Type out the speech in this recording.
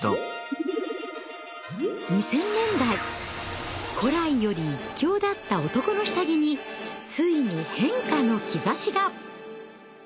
２０００年代古来より一強だった男の下着についに変化の兆しが。